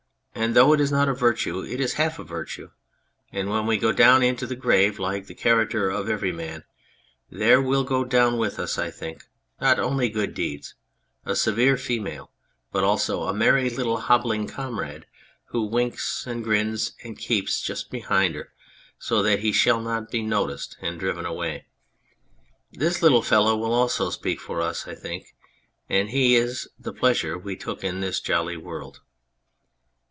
And though it is not a virtue it is half a virtue, and when we go down in the grave like the character in Everyman, there will go down witli us, I think, not only Good Deeds, a severe female, but also a merry little hobbling comrade who winks and grins and keeps just behind her so that he shall not be noticed and driven away. This little fellow will also speak for us, I think, and he is the Pleasure we took in this jolly world.